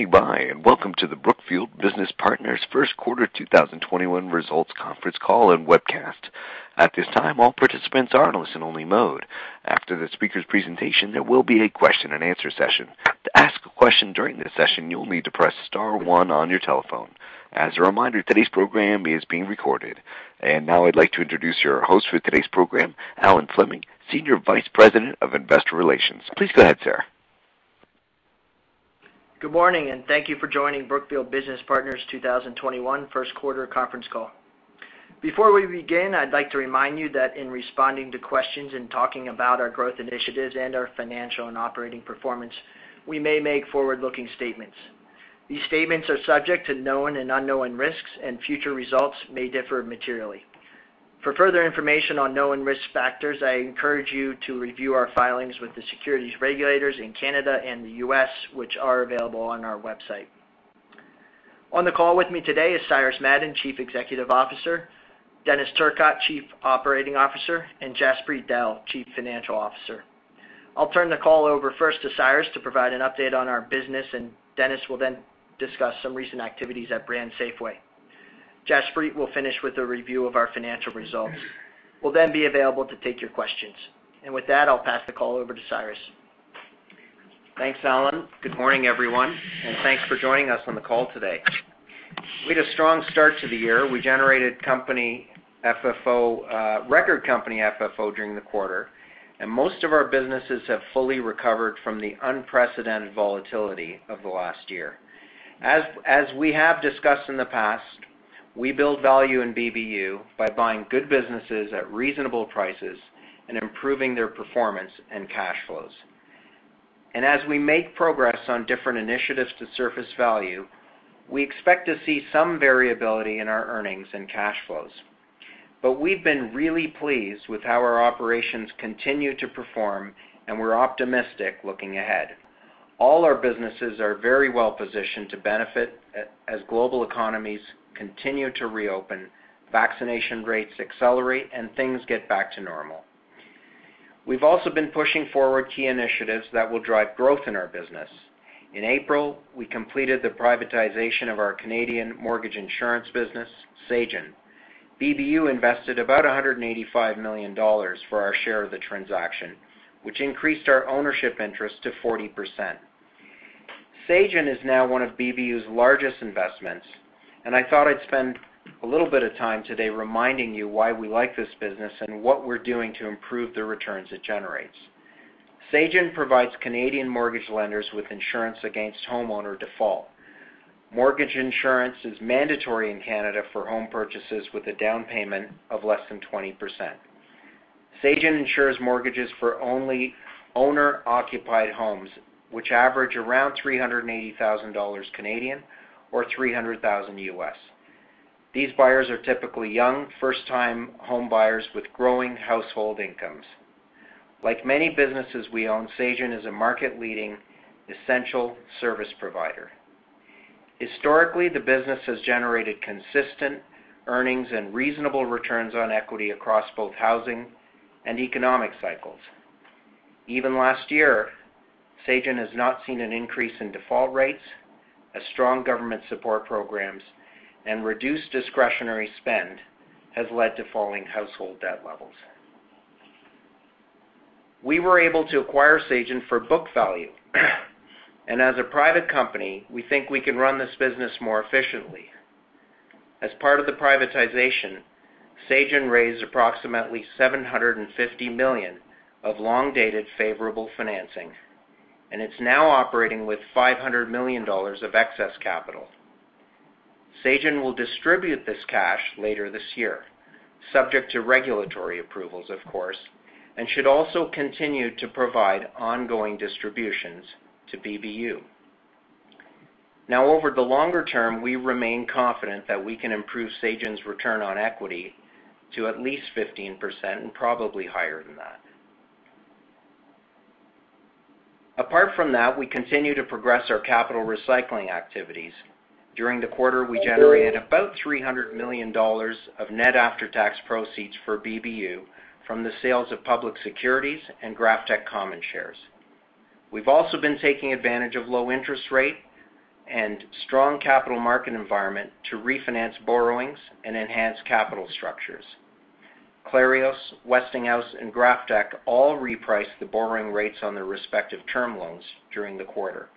Standing by and welcome to the Brookfield Business Partners first quarter 2021 results conference call and webcast. At this time, all participants are in listen only mode. After the speaker's presentation, there will be a question and answer session. To ask a question during this session, you'll need to press star one on your telephone. As a reminder, today's program is being recorded. And now I'd like to introduce your host for today's program, Alan Fleming, Senior Vice President of Investor Relations. Please go ahead, sir. Good morning, thank you for joining Brookfield Business Partners' 2021 first quarter conference call. Before we begin, I'd like to remind you that in responding to questions and talking about our growth initiatives and our financial and operating performance, we may make forward-looking statements. These statements are subject to known and unknown risks, future results may differ materially. For further information on known risk factors, I encourage you to review our filings with the securities regulators in Canada and the U.S., which are available on our website. On the call with me today is Cyrus Madon, Chief Executive Officer, Denis Turcotte, Chief Operating Officer, and Jaspreet Dehl, Chief Financial Officer. I'll turn the call over first to Cyrus to provide an update on our business, Denis will then discuss some recent activities at BrandSafway. Jaspreet will finish with a review of our financial results. We'll then be available to take your questions. With that, I'll pass the call over to Cyrus. Thanks, Alan. Good morning, everyone, and thanks for joining us on the call today. We had a strong start to the year. We generated record company FFO during the quarter, and most of our businesses have fully recovered from the unprecedented volatility of the last year. As we have discussed in the past, we build value in BBU by buying good businesses at reasonable prices and improving their performance and cash flows. As we make progress on different initiatives to surface value, we expect to see some variability in our earnings and cash flows. We've been really pleased with how our operations continue to perform, and we're optimistic looking ahead. All our businesses are very well positioned to benefit as global economies continue to reopen, vaccination rates accelerate, and things get back to normal. We've also been pushing forward key initiatives that will drive growth in our business. In April, we completed the privatization of our Canadian mortgage insurance business, Sagen. BBU invested about 185 million dollars for our share of the transaction, which increased our ownership interest to 40%. Sagen is now one of BBU's largest investments. I thought I'd spend a little bit of time today reminding you why we like this business and what we're doing to improve the returns it generates. Sagen provides Canadian mortgage lenders with insurance against homeowner default. Mortgage insurance is mandatory in Canada for home purchases with a down payment of less than 20%. Sagen insures mortgages for only owner-occupied homes, which average around 380,000 Canadian dollars or $300,000. These buyers are typically young, first-time home buyers with growing household incomes. Like many businesses we own, Sagen is a market-leading essential service provider. Historically, the business has generated consistent earnings and reasonable returns on equity across both housing and economic cycles. Even last year, Sagen has not seen an increase in default rates as strong government support programs and reduced discretionary spend has led to falling household debt levels. We were able to acquire Sagen for book value, and as a private company, we think we can run this business more efficiently. As part of the privatization, Sagen raised approximately 750 million of long-dated favorable financing, and it's now operating with 500 million dollars of excess capital. Sagen will distribute this cash later this year, subject to regulatory approvals, of course, and should also continue to provide ongoing distributions to BBU. Over the longer term, we remain confident that we can improve Sagen's return on equity to at least 15% and probably higher than that. Apart from that, we continue to progress our capital recycling activities. During the quarter, we generated about 300 million dollars of net after-tax proceeds for BBU from the sales of public securities and GrafTech common shares. We've also been taking advantage of low interest rate and strong capital market environment to refinance borrowings and enhance capital structures. Clarios, Westinghouse, and GrafTech all repriced the borrowing rates on their respective term loans during the quarter.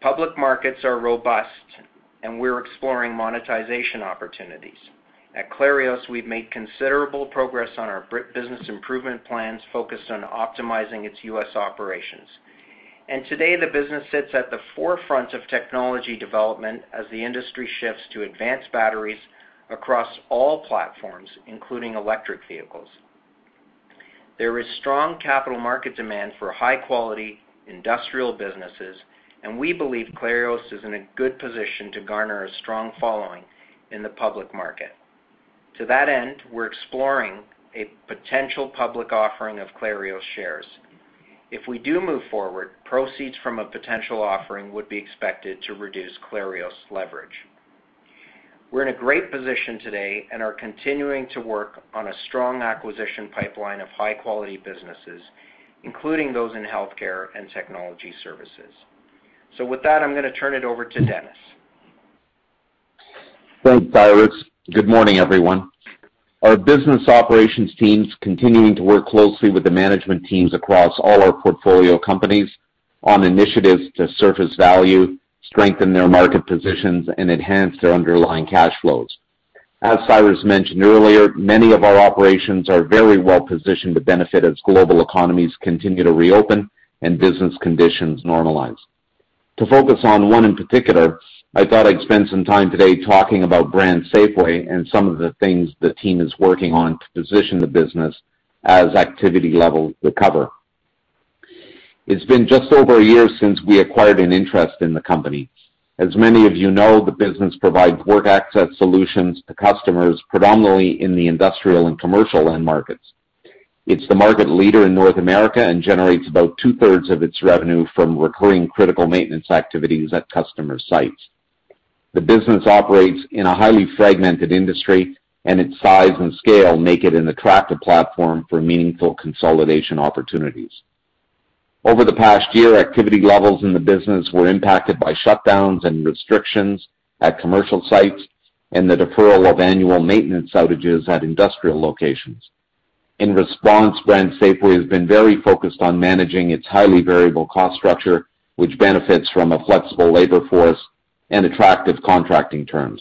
Public markets are robust and we're exploring monetization opportunities. At Clarios, we've made considerable progress on our business improvement plans focused on optimizing its U.S. operations. Today the business sits at the forefront of technology development as the industry shifts to advanced batteries across all platforms, including electric vehicles. There is strong capital market demand for high-quality industrial businesses, and we believe Clarios is in a good position to garner a strong following in the public market. To that end, we're exploring a potential public offering of Clarios shares. If we do move forward, proceeds from a potential offering would be expected to reduce Clarios leverage. We're in a great position today and are continuing to work on a strong acquisition pipeline of high-quality businesses, including those in healthcare and technology services. With that, I'm going to turn it over to Denis. Thanks, Cyrus. Good morning, everyone. Our business operations team's continuing to work closely with the management teams across all our portfolio companies on initiatives to surface value, strengthen their market positions, and enhance their underlying cash flows. As Cyrus mentioned earlier, many of our operations are very well-positioned to benefit as global economies continue to reopen and business conditions normalize. To focus on one in particular, I thought I'd spend some time today talking about BrandSafway and some of the things the team is working on to position the business as activity levels recover. It's been just over a year since we acquired an interest in the company. As many of you know, the business provides work access solutions to customers predominantly in the industrial and commercial end markets. It's the market leader in North America and generates about two-thirds of its revenue from recurring critical maintenance activities at customer sites. The business operates in a highly fragmented industry, and its size and scale make it an attractive platform for meaningful consolidation opportunities. Over the past year, activity levels in the business were impacted by shutdowns and restrictions at commercial sites and the deferral of annual maintenance outages at industrial locations. In response, BrandSafway has been very focused on managing its highly variable cost structure, which benefits from a flexible labor force and attractive contracting terms.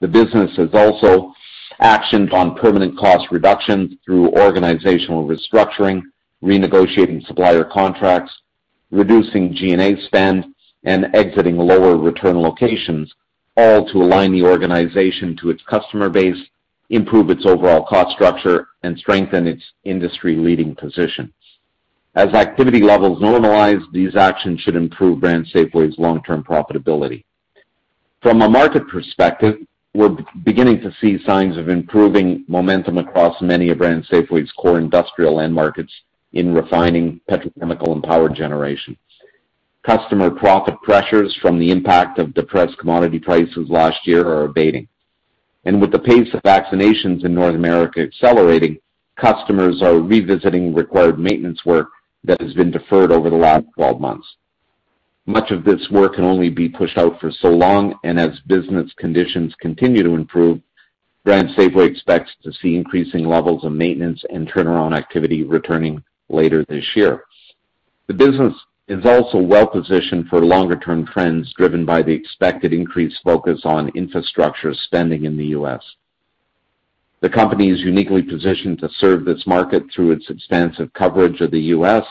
The business has also actioned on permanent cost reductions through organizational restructuring, renegotiating supplier contracts, reducing G&A spend, and exiting lower return locations, all to align the organization to its customer base, improve its overall cost structure, and strengthen its industry-leading positions. As activity levels normalize, these actions should improve BrandSafway's long-term profitability. From a market perspective, we're beginning to see signs of improving momentum across many of BrandSafway's core industrial end markets in refining petrochemical and power generations. Customer profit pressures from the impact of depressed commodity prices last year are abating. With the pace of vaccinations in North America accelerating, customers are revisiting required maintenance work that has been deferred over the last 12 months. Much of this work can only be pushed out for so long, and as business conditions continue to improve, BrandSafway expects to see increasing levels of maintenance and turnaround activity returning later this year. The business is also well-positioned for longer-term trends driven by the expected increased focus on infrastructure spending in the U.S. The company is uniquely positioned to serve this market through its expansive coverage of the U.S.,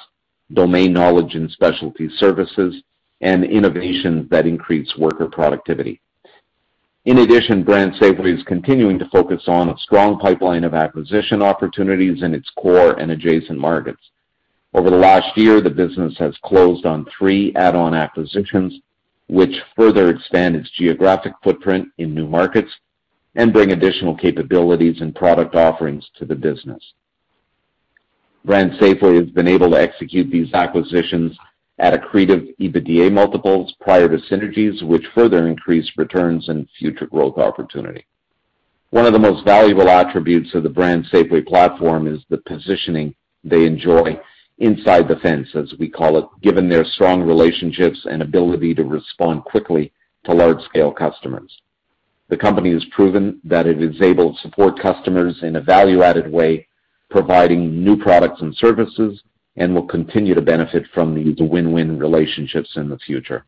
domain knowledge and specialty services, and innovation that increase worker productivity. BrandSafway is continuing to focus on a strong pipeline of acquisition opportunities in its core and adjacent markets. Over the last year, the business has closed on three add-on acquisitions, which further expand its geographic footprint in new markets and bring additional capabilities and product offerings to the business. BrandSafway has been able to execute these acquisitions at accretive EBITDA multiples prior to synergies, which further increase returns and future growth opportunity. One of the most valuable attributes of the BrandSafway platform is the positioning they enjoy inside the fence, as we call it, given their strong relationships and ability to respond quickly to large-scale customers. The company has proven that it is able to support customers in a value-added way, providing new products and services, and will continue to benefit from these win-win relationships in the future.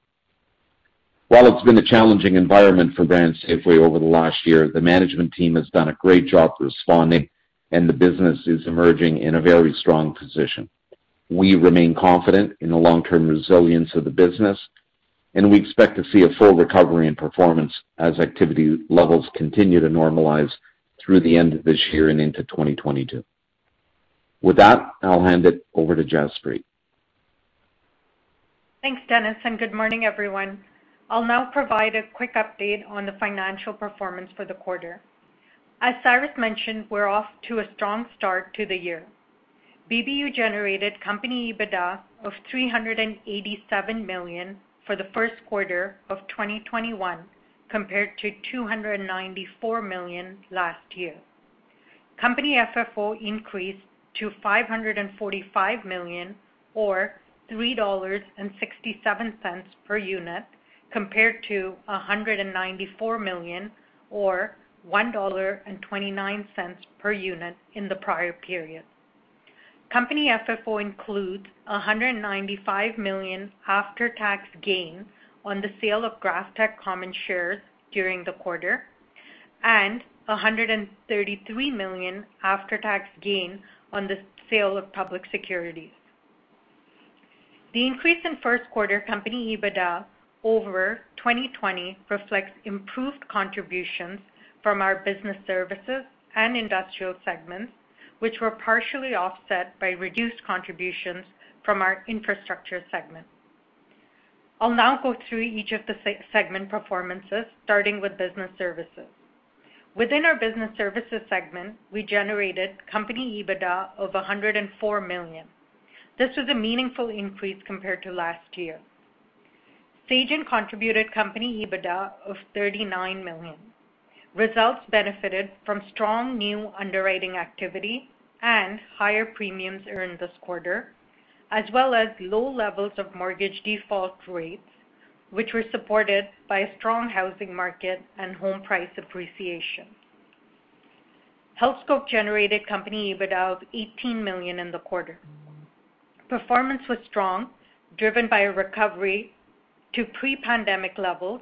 While it's been a challenging environment for BrandSafway over the last year, the management team has done a great job responding, and the business is emerging in a very strong position. We remain confident in the long-term resilience of the business, and we expect to see a full recovery in performance as activity levels continue to normalize through the end of this year and into 2022. With that, I'll hand it over to Jaspreet. Thanks, Denis, and good morning, everyone. I'll now provide a quick update on the financial performance for the quarter. As Cyrus Madon mentioned, we're off to a strong start to the year. BBU generated company EBITDA of 387 million for the first quarter of 2021, compared to 294 million last year. Company FFO increased to 545 million, or 3.67 dollars per unit, compared to 194 million, or 1.29 dollar per unit in the prior period. Company FFO includes 195 million after-tax gain on the sale of GrafTech common shares during the quarter and 133 million after-tax gain on the sale of public securities. The increase in first quarter company EBITDA over 2020 reflects improved contributions from our business services and industrial segments, which were partially offset by reduced contributions from our infrastructure segment. I'll now go through each of the segment performances, starting with Business Services. Within our Business Services segment, we generated company EBITDA of 104 million. This was a meaningful increase compared to last year. Sagen contributed company EBITDA of 39 million. Results benefited from strong new underwriting activity and higher premiums earned this quarter, as well as low levels of mortgage default rates, which were supported by a strong housing market and home price appreciation. Healthscope generated company EBITDA of 18 million in the quarter. Performance was strong, driven by a recovery to pre-pandemic levels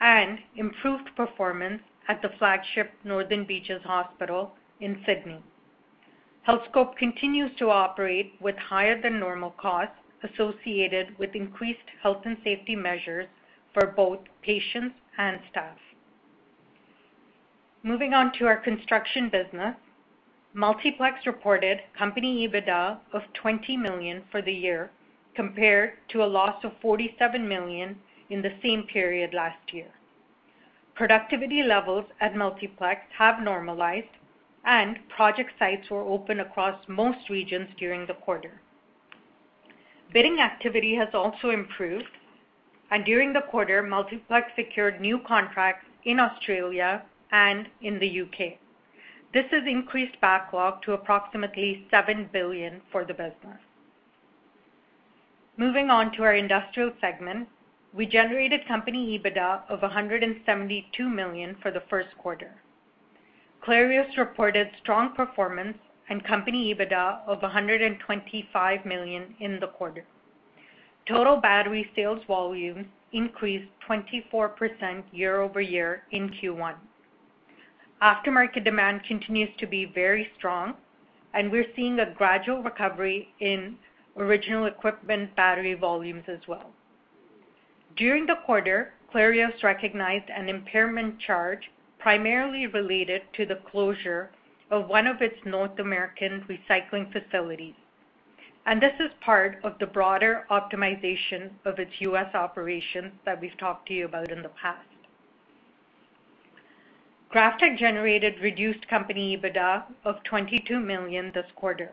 and improved performance at the flagship Northern Beaches Hospital in Sydney. Healthscope continues to operate with higher than normal costs associated with increased health and safety measures for both patients and staff. Moving on to our construction business, Multiplex reported company EBITDA of 20 million for the year, compared to a loss of 47 million in the same period last year. Productivity levels at Multiplex have normalized, and project sites were open across most regions during the quarter. Bidding activity has also improved, and during the quarter, Multiplex secured new contracts in Australia and in the U.K. This has increased backlog to approximately 7 billion for the business. Moving on to our industrial segment, we generated company EBITDA of 172 million for the first quarter. Clarios reported strong performance and company EBITDA of 125 million in the quarter. Total battery sales volumes increased 24% year-over-year in Q1. Aftermarket demand continues to be very strong, and we're seeing a gradual recovery in original equipment battery volumes as well. During the quarter, Clarios recognized an impairment charge primarily related to the closure of one of its North American recycling facilities. This is part of the broader optimization of its U.S. operations that we've talked to you about in the past. GrafTech generated reduced company EBITDA of 22 million this quarter.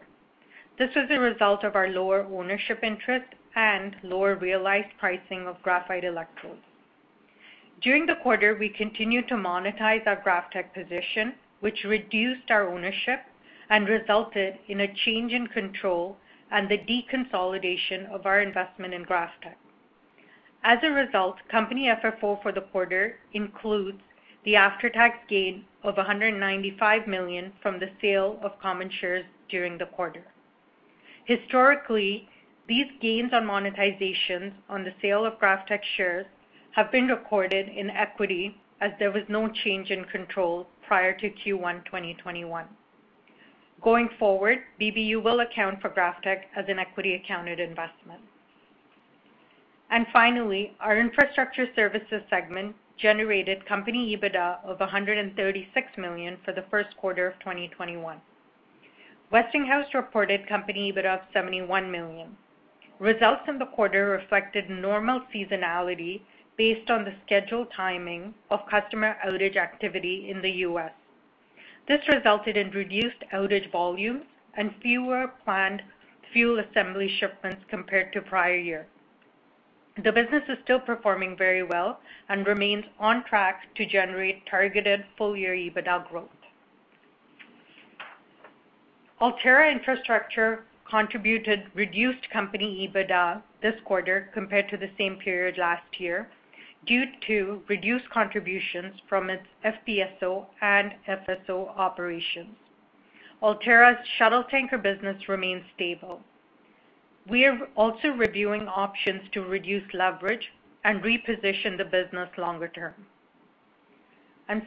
This was a result of our lower ownership interest and lower realized pricing of graphite electrodes. During the quarter, we continued to monetize our GrafTech position, which reduced our ownership and resulted in a change in control and the deconsolidation of our investment in GrafTech. As a result, company FFO for the quarter includes the after-tax gain of 195 million from the sale of common shares during the quarter. Historically, these gains on monetizations on the sale of GrafTech shares have been recorded in equity as there was no change in control prior to Q1 2021. Going forward, BBU will account for GrafTech as an equity accounted investment. Finally, our infrastructure services segment generated company EBITDA of 136 million for the first quarter of 2021. Westinghouse reported company EBITDA of 71 million. Results in the quarter reflected normal seasonality based on the scheduled timing of customer outage activity in the U.S. This resulted in reduced outage volumes and fewer planned fuel assembly shipments compared to prior year. The business is still performing very well and remains on track to generate targeted full-year EBITDA growth. Altera Infrastructure contributed reduced company EBITDA this quarter compared to the same period last year due to reduced contributions from its FPSO and FSO operations. Altera's shuttle tanker business remains stable. We are also reviewing options to reduce leverage and reposition the business longer term.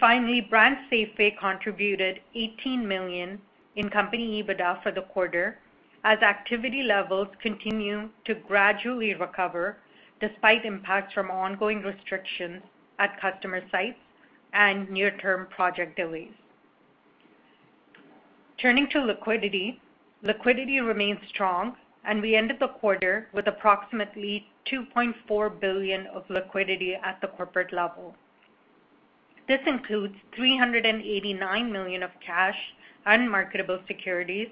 Finally, BrandSafway contributed 18 million in company EBITDA for the quarter as activity levels continue to gradually recover despite impacts from ongoing restrictions at customer sites and near-term project delays. Turning to liquidity. Liquidity remains strong, and we ended the quarter with approximately 2.4 billion of liquidity at the corporate level. This includes 389 million of cash and marketable securities,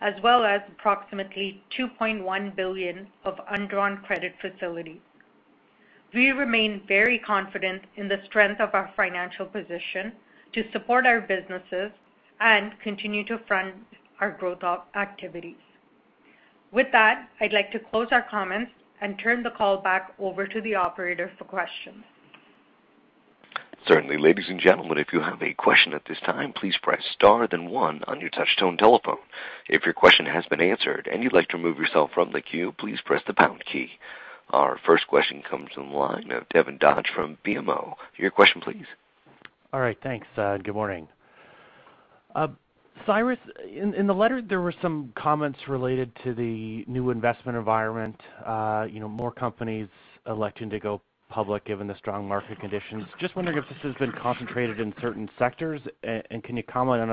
as well as approximately 2.1 billion of undrawn credit facilities. We remain very confident in the strength of our financial position to support our businesses and continue to fund our growth activities. With that, I'd like to close our comments and turn the call back over to the operator for questions. Certainly. Our first question comes from the line of Devin Dodge from BMO. Your question, please. All right. Thanks. Good morning. Cyrus, in the letter, there were some comments related to the new investment environment, more companies electing to go public given the strong market conditions. Just wondering if this has been concentrated in certain sectors, and can you comment on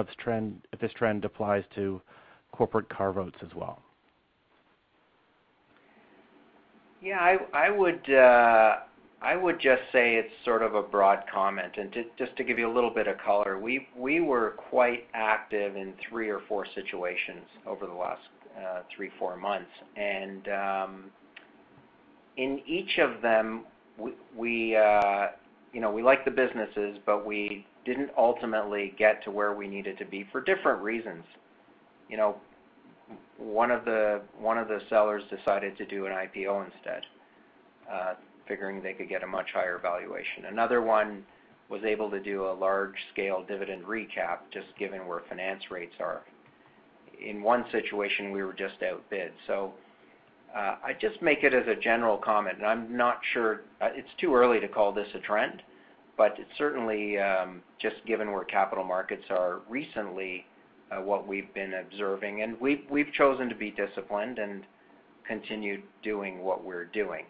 if this trend applies to corporate carve-outs as well? Yeah. I would just say it's sort of a broad comment. Just to give you a little bit of color, we were quite active in three or four situations over the last three, four months. In each of them, we like the businesses, but we didn't ultimately get to where we needed to be for different reasons. One of the sellers decided to do an IPO instead, figuring they could get a much higher valuation. Another one was able to do a large-scale dividend recap, just given where finance rates are. In one situation, we were just outbid. I just make it as a general comment, and I'm not sure. It's too early to call this a trend, but it's certainly, just given where capital markets are recently, what we've been observing, and we've chosen to be disciplined and continue doing what we're doing.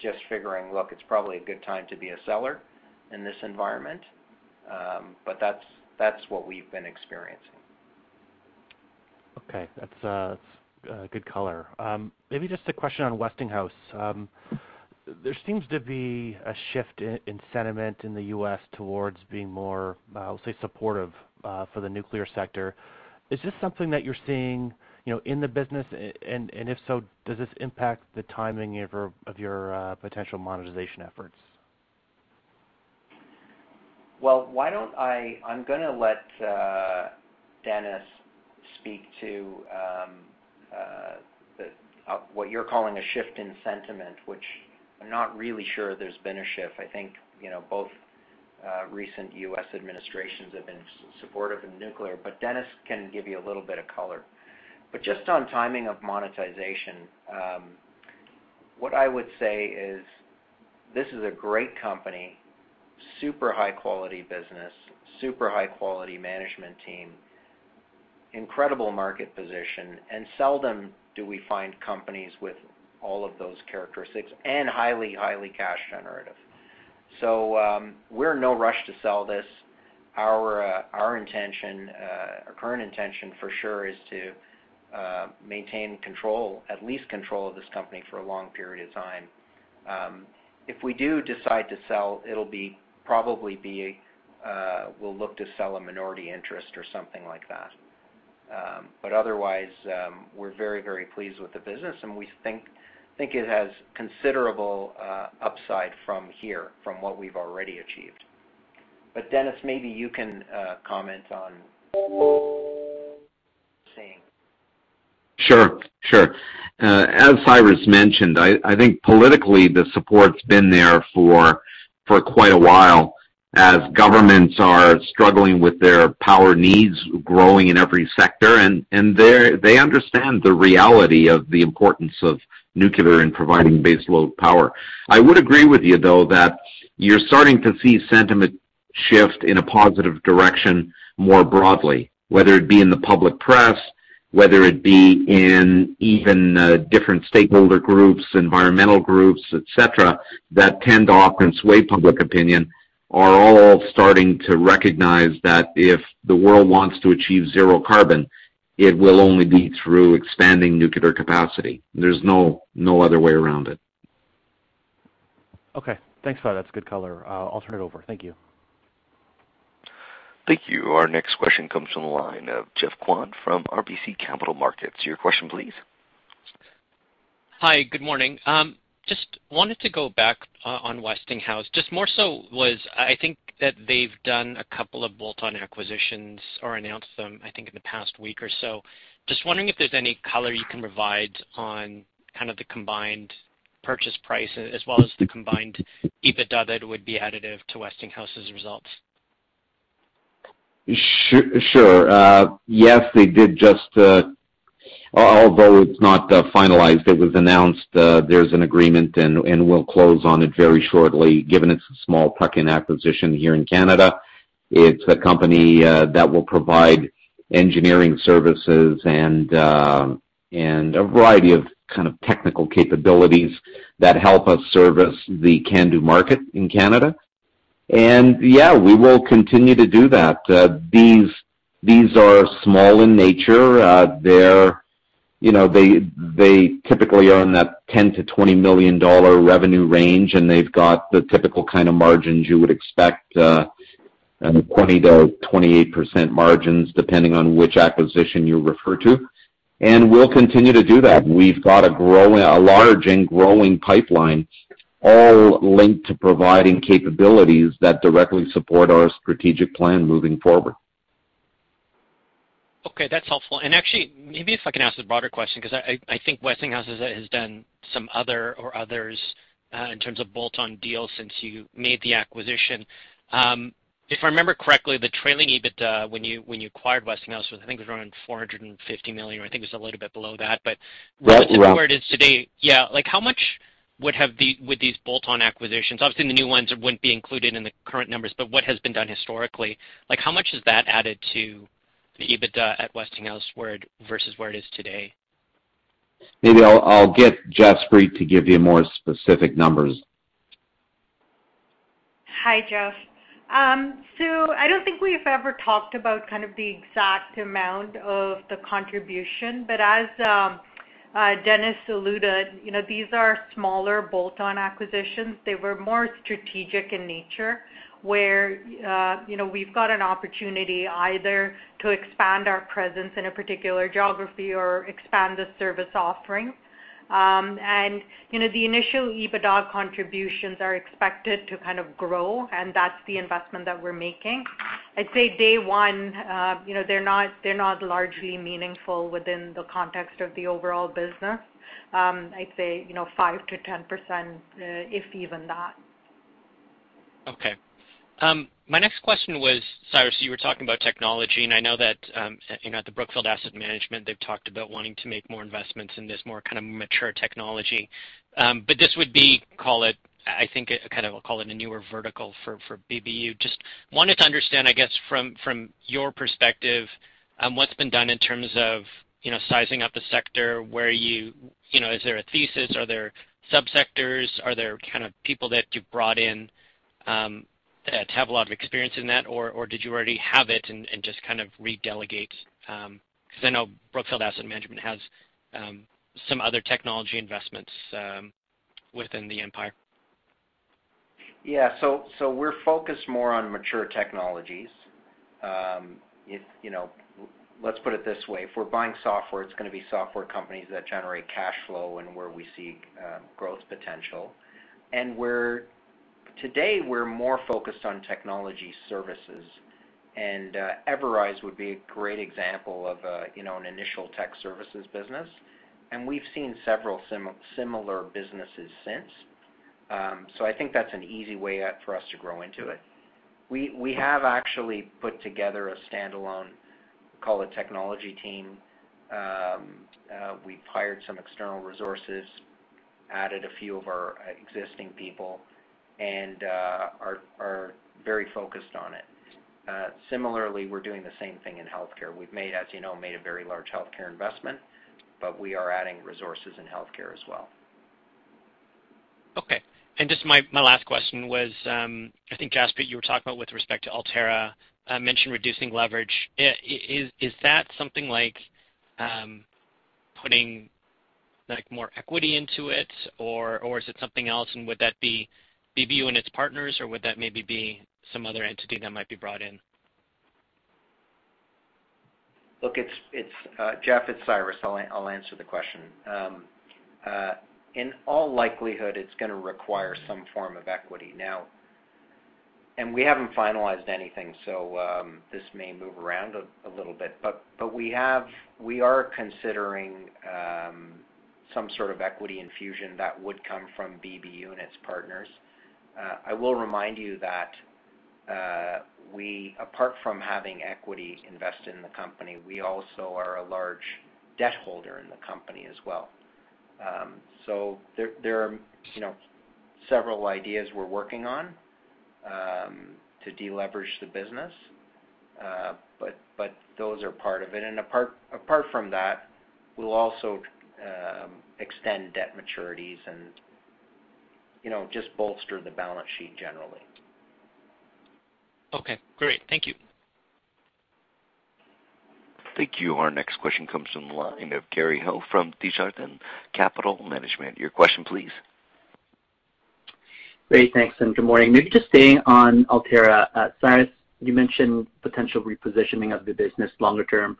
Just figuring, look, it's probably a good time to be a seller in this environment, but that's what we've been experiencing. Okay. That's good color. Maybe just a question on Westinghouse. There seems to be a shift in sentiment in the U.S. towards being more, I would say, supportive for the nuclear sector. Is this something that you're seeing in the business, and if so, does this impact the timing of your potential monetization efforts? I'm going to let Denis speak to what you're calling a shift in sentiment, which I'm not really sure there's been a shift. I think both recent U.S. administrations have been supportive of nuclear, but Denis can give you a little bit of color. Just on timing of monetization, what I would say is this is a great company, super high-quality business, super high-quality management team, incredible market position, and seldom do we find companies with all of those characteristics, and highly cash generative. We're in no rush to sell this. Our current intention, for sure, is to maintain control, at least control of this company for a long period of time. If we do decide to sell, it'll probably be we'll look to sell a minority interest or something like that. Otherwise, we're very pleased with the business, and we think it has considerable upside from here from what we've already achieved. Denis, maybe you can comment on what you're seeing. Sure. As Cyrus mentioned, I think politically the support's been there for quite a while as governments are struggling with their power needs growing in every sector. They understand the reality of the importance of nuclear in providing base load power. I would agree with you, though, that you're starting to see sentiment shift in a positive direction more broadly, whether it be in the public press, whether it be in even different stakeholder groups, environmental groups, et cetera, that tend to often sway public opinion, are all starting to recognize that if the world wants to achieve zero carbon, it will only be through expanding nuclear capacity. There's no other way around it. Okay. Thanks. That's good color. I'll turn it over. Thank you. Thank you. Our next question comes from the line of Geoff Kwan from RBC Capital Markets. Your question please. Hi. Good morning. Wanted to go back on Westinghouse. More so was that they've done a couple of bolt-on acquisitions or announced them in the past week or so. Wondering if there's any color you can provide on kind of the combined purchase price as well as the combined EBITDA that would be additive to Westinghouse's results. Sure. Yes, they did. Although it's not finalized, it was announced there's an agreement, and we'll close on it very shortly, given it's a small tuck-in acquisition here in Canada. It's a company that will provide engineering services and a variety of technical capabilities that help us service the CANDU market in Canada. Yeah, we will continue to do that. These are small in nature. They typically are in that 10 million-20 million dollar revenue range, and they've got the typical kind of margins you would expect, 20%-28% margins, depending on which acquisition you refer to. We'll continue to do that. We've got a large and growing pipeline all linked to providing capabilities that directly support our strategic plan moving forward. Okay, that's helpful. Actually, maybe if I can ask a broader question, because I think Westinghouse has done some other or others in terms of bolt-on deals since you made the acquisition. If I remember correctly, the trailing EBITDA when you acquired Westinghouse was, I think it was around 450 million, or I think it was a little bit below that. Yeah To where it is today, how much would these bolt-on acquisitions, obviously the new ones wouldn't be included in the current numbers, but what has been done historically? How much has that added to the EBITDA at Westinghouse versus where it is today? Maybe I'll get Jaspreet to give you more specific numbers. Hi, Geoff. I don't think we've ever talked about the exact amount of the contribution, but as Denis alluded, these are smaller bolt-on acquisitions. They were more strategic in nature, where we've got an opportunity either to expand our presence in a particular geography or expand the service offering. The initial EBITDA contributions are expected to grow, and that's the investment that we're making. I'd say day one, they're not largely meaningful within the context of the overall business. I'd say 5%-10%, if even that. Okay. My next question was, Cyrus, you were talking about technology, and I know that at Brookfield Asset Management, they've talked about wanting to make more investments in this more mature technology. This would be, I think, I'll call it a newer vertical for BBU. I just wanted to understand, I guess, from your perspective, what's been done in terms of sizing up the sector. Is there a thesis? Are there sub-sectors? Are there people that you've brought in that have a lot of experience in that, or did you already have it and just relegate? I know Brookfield Asset Management has some other technology investments within the empire. Yeah. We're focused more on mature technologies. Let's put it this way. If we're buying software, it's going to be software companies that generate cash flow and where we see growth potential. Today, we're more focused on technology services. Everise would be a great example of an initial tech services business, and we've seen several similar businesses since. I think that's an easy way for us to grow into it. We have actually put together a standalone, call it technology team. We've hired some external resources, added a few of our existing people, and are very focused on it. Similarly, we're doing the same thing in healthcare. We've, as you know, made a very large healthcare investment, we are adding resources in healthcare as well. Okay. Just my last question was, I think, Jaspreet, you were talking about with respect to Altera, mentioned reducing leverage. Is that something like putting more equity into it, or is it something else? Would that be BBU and its partners, or would that maybe be some other entity that might be brought in? Look, Geoff, it's Cyrus. I'll answer the question. In all likelihood, it's going to require some form of equity. We haven't finalized anything, so this may move around a little bit, but we are considering some sort of equity infusion that would come from BBU and its partners. I will remind you that apart from having equity invested in the company, we also are a large debt holder in the company as well. There are several ideas we're working on to deleverage the business, but those are part of it. Apart from that, we'll also extend debt maturities and just bolster the balance sheet generally. Okay, great. Thank you. Thank you. Our next question comes from the line of Gary Ho from Desjardins Capital Management. Your question, please. Great. Thanks, and good morning. Maybe just staying on Altera. Cyrus, you mentioned potential repositioning of the business longer term.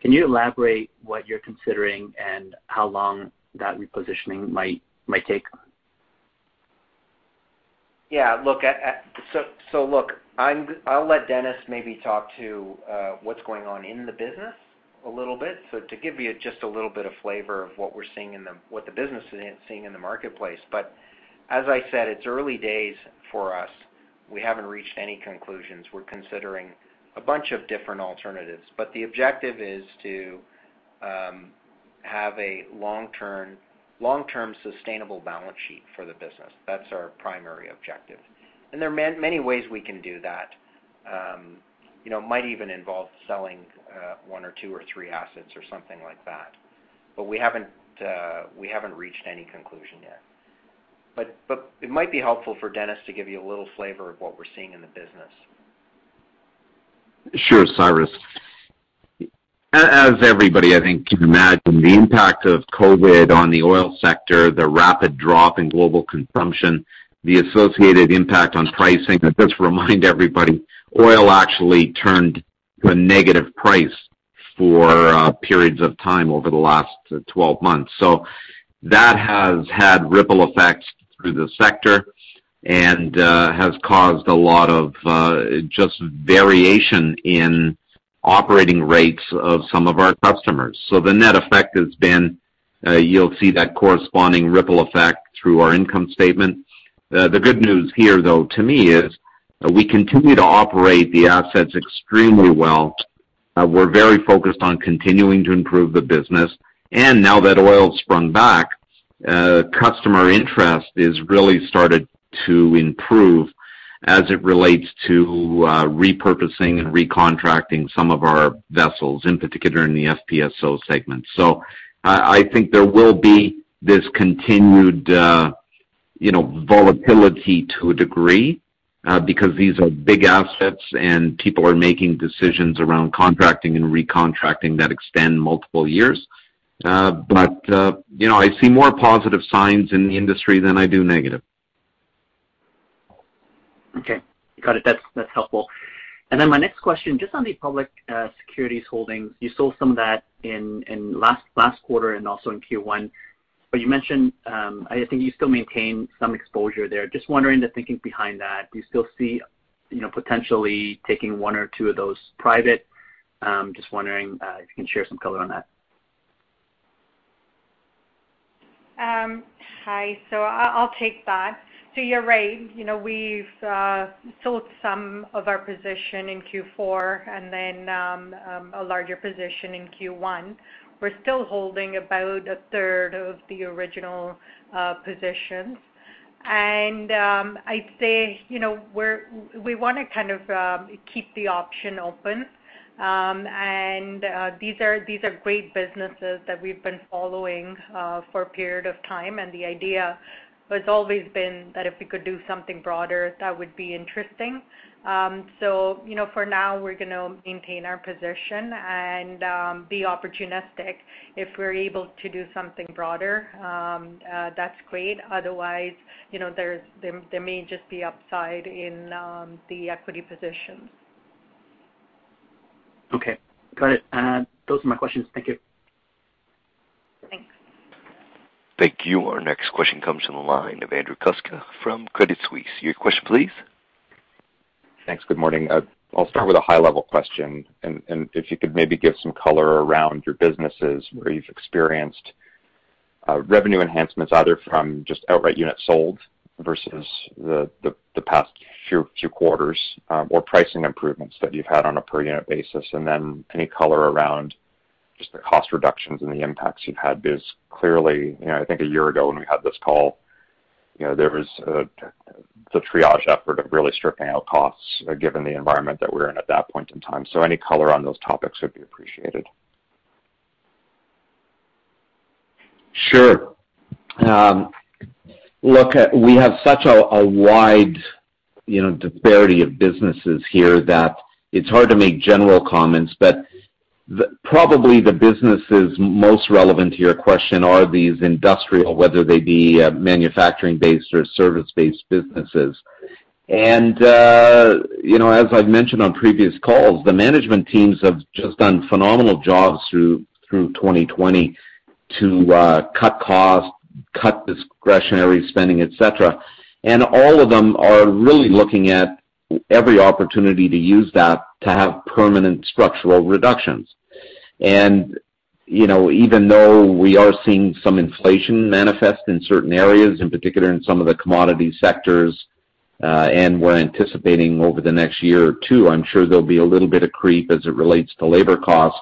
Can you elaborate what you're considering and how long that repositioning might take? Yeah. Look, I'll let Denis maybe talk to what's going on in the business a little bit. To give you just a little bit of flavor of what the business is seeing in the marketplace. As I said, it's early days for us. We haven't reached any conclusions. We're considering a bunch of different alternatives, but the objective is to have a long-term sustainable balance sheet for the business. That's our primary objective. There are many ways we can do that. Might even involve selling one or two or three assets or something like that. We haven't reached any conclusion yet. It might be helpful for Denis to give you a little flavor of what we're seeing in the business. Sure, Cyrus. As everybody, I think, can imagine, the impact of COVID on the oil sector, the rapid drop in global consumption, the associated impact on pricing. I just remind everybody, oil actually turned to a negative price for periods of time over the last 12 months. That has had ripple effects through the sector and has caused a lot of just variation in operating rates of some of our customers. The net effect has been, you'll see that corresponding ripple effect through our income statement. The good news here, though, to me, is we continue to operate the assets extremely well. We're very focused on continuing to improve the business. Now that oil's sprung back, customer interest is really started to improve as it relates to repurposing and recontracting some of our vessels, in particular in the FPSO segment. I think there will be this continued volatility to a degree. Because these are big assets and people are making decisions around contracting and recontracting that extend multiple years. I see more positive signs in the industry than I do negative. Okay. Got it. That's helpful. My next question, just on the public securities holdings. You sold some of that in last quarter and also in Q1. You mentioned, I think you still maintain some exposure there. Just wondering the thinking behind that. Do you still see potentially taking one or two of those private? Just wondering if you can share some color on that. Hi. I'll take that. You're right. We've sold some of our position in Q4 and then a larger position in Q1. We're still holding about a third of the original positions. I'd say we want to kind of keep the option open. These are great businesses that we've been following for a period of time, and the idea has always been that if we could do something broader, that would be interesting. For now, we're going to maintain our position and be opportunistic. If we're able to do something broader, that's great. Otherwise, there may just be upside in the equity positions. Okay, got it. Those are my questions. Thank you. Thanks. Thank you. Our next question comes from the line of Andrew Kuske from Credit Suisse. Your question, please. Thanks. Good morning. I'll start with a high-level question, and if you could maybe give some color around your businesses where you've experienced revenue enhancements, either from just outright units sold versus the past few quarters, or pricing improvements that you've had on a per-unit basis, and then any color around just the cost reductions and the impacts you've had. Clearly, I think a year ago when we had this call, there was the triage effort of really stripping out costs, given the environment that we were in at that point in time. Any color on those topics would be appreciated. Sure. Look, we have such a wide disparity of businesses here that it's hard to make general comments. Probably the businesses most relevant to your question are these industrial, whether they be manufacturing-based or service-based businesses. As I've mentioned on previous calls, the management teams have just done phenomenal jobs through 2020 to cut costs, cut discretionary spending, et cetera. All of them are really looking at every opportunity to use that to have permanent structural reductions. Even though we are seeing some inflation manifest in certain areas, in particular in some of the commodity sectors, and we're anticipating over the next year or two, I'm sure there'll be a little bit of creep as it relates to labor costs.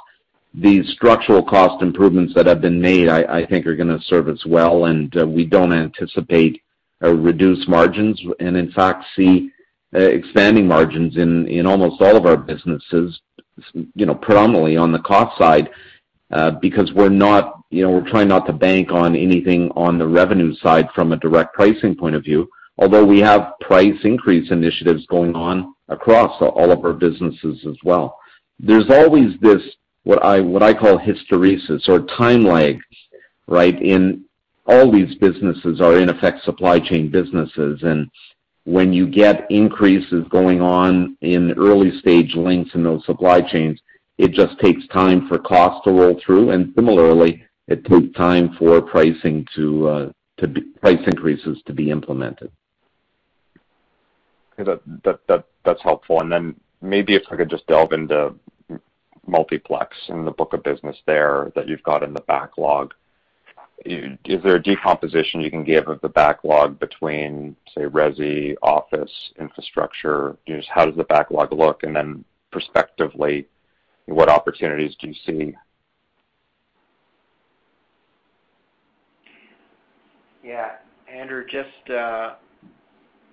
These structural cost improvements that have been made, I think, are going to serve us well, and we don't anticipate a reduced margins and in fact see expanding margins in almost all of our businesses, predominantly on the cost side because we're trying not to bank on anything on the revenue side from a direct pricing point of view, although we have price increase initiatives going on across all of our businesses as well. There's always this, what I call hysteresis or time lag. All these businesses are in effect supply chain businesses. When you get increases going on in early-stage links in those supply chains, it just takes time for cost to roll through. Similarly, it takes time for price increases to be implemented. That's helpful. Then maybe if I could just delve into Multiplex and the book of business there that you've got in the backlog. Is there a decomposition you can give of the backlog between, say, resi, office, infrastructure? Just how does the backlog look? Then prospectively, what opportunities do you see? Yeah. Andrew, just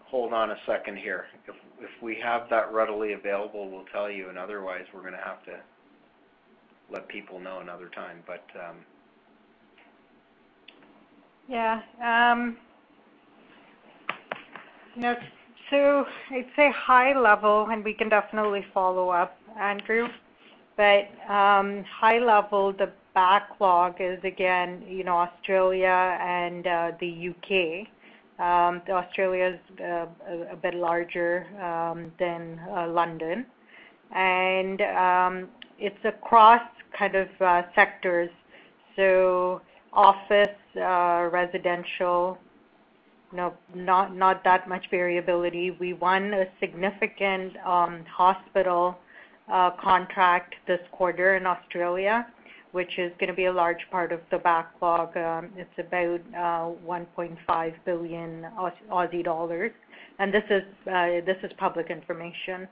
hold on a second here. If we have that readily available, we will tell you, and otherwise, we are going to have to let people know another time. Yeah. It's a high level, and we can definitely follow up, Andrew. High level, the backlog is again Australia and the U.K. Australia is a bit larger than London. It's across kind of sectors. Office, residential, not that much variability. We won a significant hospital contract this quarter in Australia, which is going to be a large part of the backlog. It's about 1.5 billion Aussie dollars. This is public information.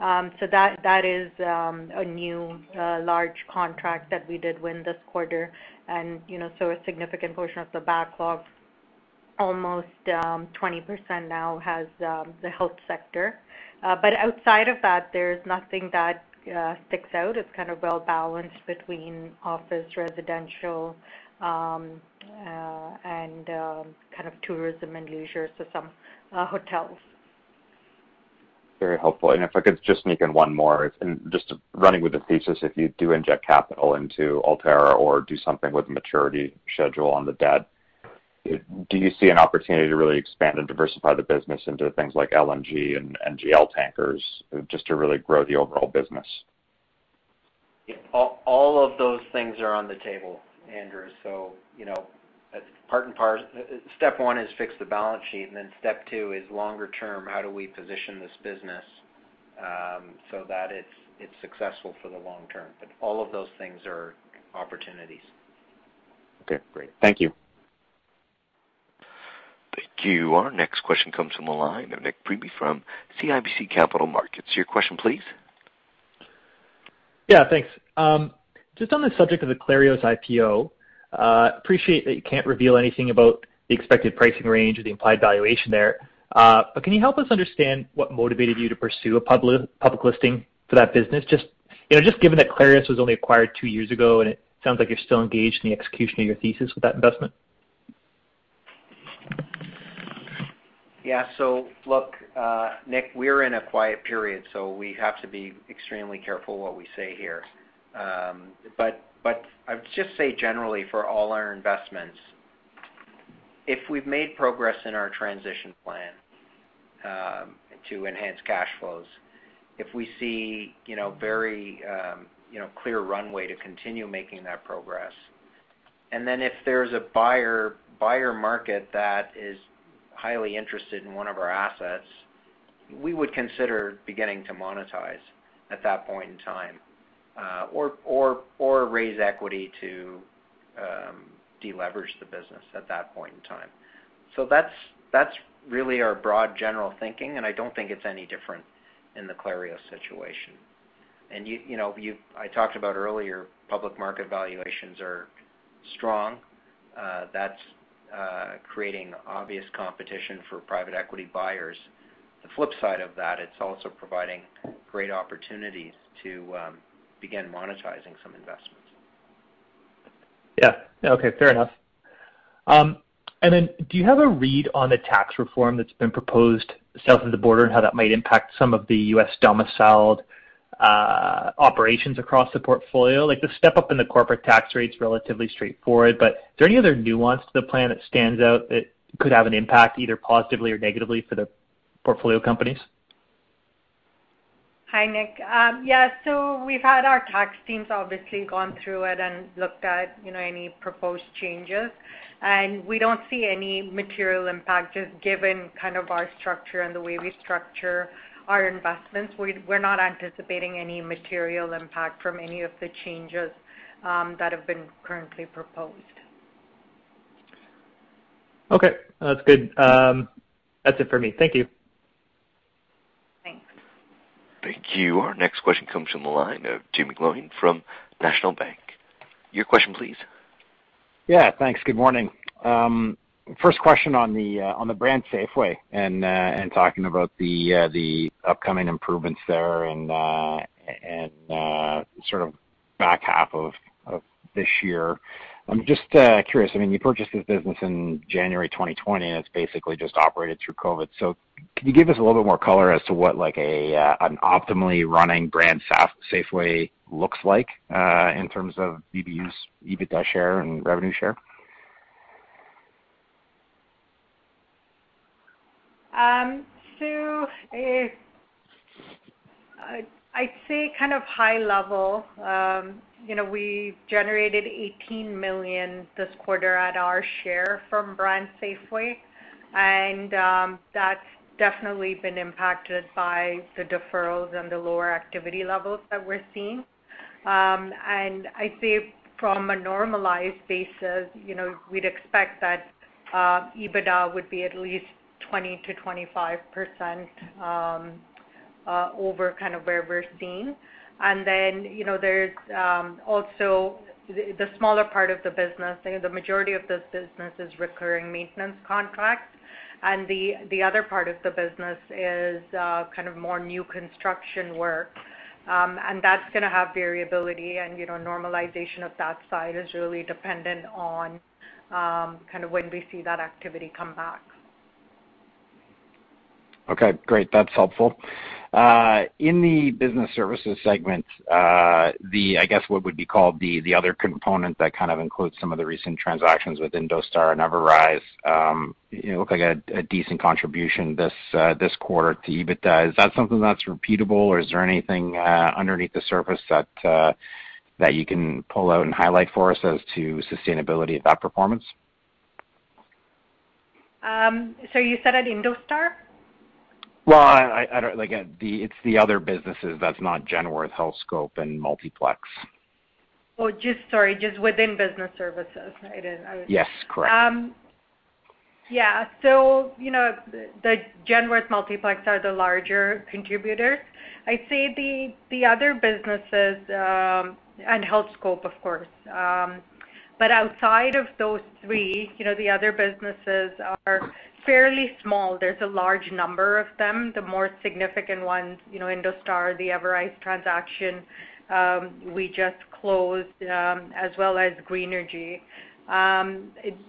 That is a new large contract that we did win this quarter. A significant portion of the backlog, almost 20% now has the health sector. Outside of that, there's nothing that sticks out. It's kind of well-balanced between office, residential, and tourism and leisure, so some hotels. Very helpful. If I could just sneak in one more. Just running with the thesis, if you do inject capital into Altera or do something with the maturity schedule on the debt, do you see an opportunity to really expand and diversify the business into things like LNG and NGL tankers, just to really grow the overall business? All of those things are on the table, Andrew. Part and parcel, step one is fix the balance sheet. Step two is longer term, how do we position this business so that it's successful for the long term? All of those things are opportunities. Okay, great. Thank you. Thank you. Our next question comes from the line of Nik Priebe from CIBC Capital Markets. Your question, please. Yeah, thanks. Just on the subject of the Clarios IPO, appreciate that you can't reveal anything about the expected pricing range or the implied valuation there. Can you help us understand what motivated you to pursue a public listing for that business? Just given that Clarios was only acquired two years ago, and it sounds like you're still engaged in the execution of your thesis with that investment. Yeah. Look, Nik, we're in a quiet period, so we have to be extremely careful what we say here. I would just say generally for all our investments, if we've made progress in our transition plan to enhance cash flows, if we see very clear runway to continue making that progress, and then if there's a buyer market that is highly interested in one of our assets, we would consider beginning to monetize at that point in time or raise equity to de-leverage the business at that point in time. That's really our broad general thinking. I don't think it's any different in the Clarios situation. I talked about earlier, public market valuations are strong. That's creating obvious competition for private equity buyers. The flip side of that, it's also providing great opportunities to begin monetizing some investments. Yeah. Okay, fair enough. Do you have a read on the tax reform that's been proposed south of the border and how that might impact some of the U.S. domiciled operations across the portfolio? Like, the step-up in the corporate tax rate's relatively straightforward, but is there any other nuance to the plan that stands out that could have an impact, either positively or negatively, for the portfolio companies? Hi, Nik. Yeah, we've had our tax teams obviously gone through it and looked at any proposed changes, we don't see any material impact just given our structure and the way we structure our investments. We're not anticipating any material impact from any of the changes that have been currently proposed. Okay, that's good. That's it for me. Thank you. Thanks. Thank you. Our next question comes from the line of Jim McLoughlin from National Bank. Your question, please. Thanks. Good morning. First question on the BrandSafway and talking about the upcoming improvements there and sort of back half of this year. I'm just curious, I mean, you purchased this business in January 2020, and it's basically just operated through COVID. Can you give us a little bit more color as to what an optimally running BrandSafway looks like in terms of EBUs, EBITDA share, and revenue share? I'd say kind of high level. We generated 18 million this quarter at our share from BrandSafway, and that's definitely been impacted by the deferrals and the lower activity levels that we're seeing. I'd say from a normalized basis, we'd expect that EBITDA would be at least 20%-25% over where we're seeing. There's also the smaller part of the business. The majority of this business is recurring maintenance contracts, and the other part of the business is more new construction work. That's going to have variability, and normalization of that side is really dependent on when we see that activity come back. Okay, great. That's helpful. In the business services segment, I guess what would be called the other component that kind of includes some of the recent transactions with IndoStar and Everise, look like a decent contribution this quarter to EBITDA. Is that something that's repeatable, or is there anything underneath the surface that you can pull out and highlight for us as to sustainability of that performance? You said at IndoStar? Well, it's the other businesses that's not Genworth, Healthscope, and Multiplex. Oh, sorry, just within business services. Yes, correct. Yeah. The Genworth, Multiplex are the larger contributors. I'd say the other businesses, and Healthscope, of course. Outside of those three, the other businesses are fairly small. There's a large number of them. The more significant ones, IndoStar, the Everise transaction we just closed, as well as Greenergy.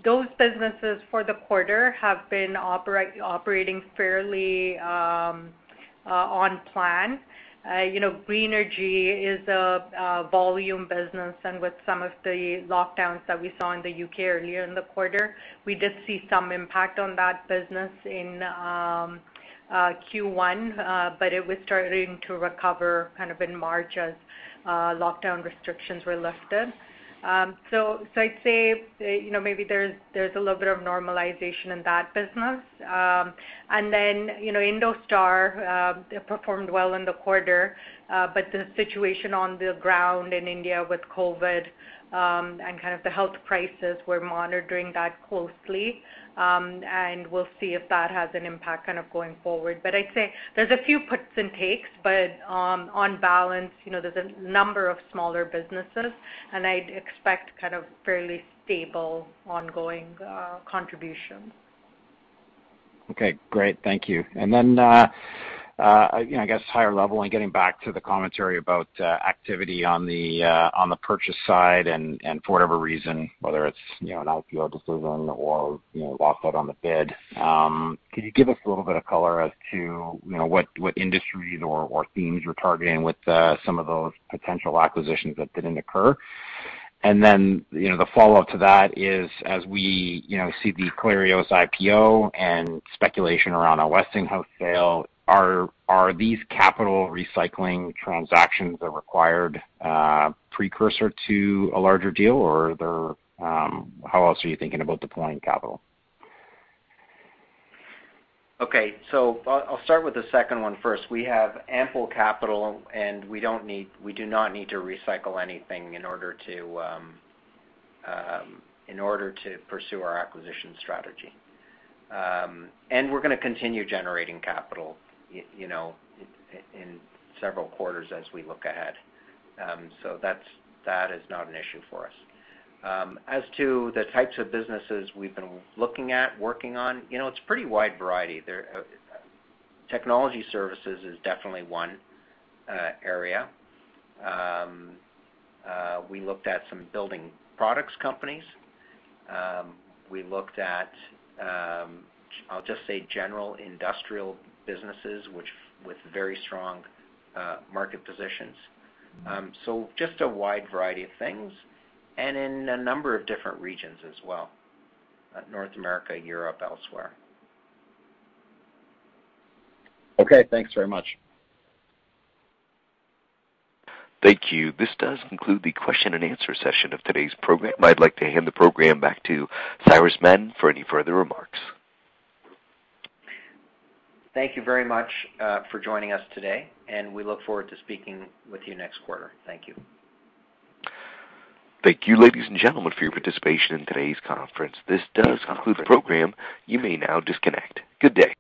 Those businesses for the quarter have been operating fairly on plan. Greenergy is a volume business. With some of the lockdowns that we saw in the U.K. earlier in the quarter, we did see some impact on that business in Q1, it was starting to recover in March as lockdown restrictions were lifted. I'd say, maybe there's a little bit of normalization in that business. IndoStar performed well in the quarter. The situation on the ground in India with COVID, the health crisis, we're monitoring that closely. We'll see if that has an impact going forward. I'd say there's a few puts and takes, but on balance, there's a number of smaller businesses, and I'd expect fairly stable ongoing contributions. Okay, great. Thank you. I guess higher level and getting back to the commentary about activity on the purchase side and for whatever reason, whether it's an IPO decision or walked out on the bid, could you give us a little bit of color as to what industries or themes you're targeting with some of those potential acquisitions that didn't occur? The follow-up to that is as we see the Clarios IPO and speculation around a Westinghouse sale, are these capital recycling transactions a required precursor to a larger deal, or how else are you thinking about deploying capital? Okay. I'll start with the second one first. We have ample capital, and we do not need to recycle anything in order to pursue our acquisition strategy. We're going to continue generating capital in several quarters as we look ahead. That is not an issue for us. As to the types of businesses we've been looking at working on, it's a pretty wide variety. Technology services is definitely one area. We looked at some building products companies. We looked at, I'll just say general industrial businesses with very strong market positions. Just a wide variety of things and in a number of different regions as well. North America, Europe, elsewhere. Okay. Thanks very much. Thank you. This does conclude the question and answer session of today's program. I'd like to hand the program back to Cyrus Madon for any further remarks. Thank you very much for joining us today, and we look forward to speaking with you next quarter. Thank you. Thank you, ladies and gentlemen, for your participation in today's conference. This does conclude the program. You may now disconnect. Good day.